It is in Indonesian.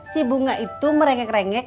si bunga itu merengek rengek